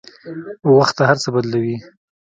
وخت هر څه بدلوي.